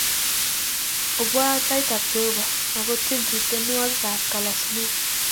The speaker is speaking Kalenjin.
Obwa tait ab Jehovah akotienchu tienwokik a kalasunet